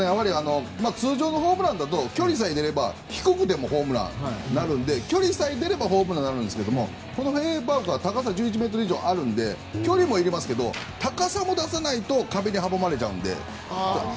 通常のホームランだと距離さえ出れば低くてもホームランになるので距離さえ出ればホームランになるんですがこのフェンウェイパークは高さ１１ｍ以上あるので距離もいりますが高さも出さないと壁に阻まれちゃうので。